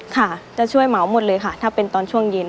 ค่ะจะช่วยเหมาหมดเลยค่ะถ้าเป็นตอนช่วงเย็น